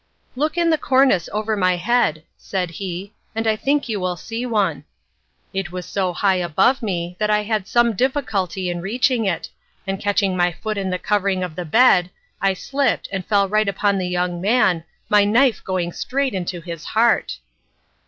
"Look in the cornice over my head," said he, "and I think you will see one." It was so high above me, that I had some difficulty in reaching it, and catching my foot in the covering of the bed, I slipped, and fell right upon the young man, the knife going straight into his heart.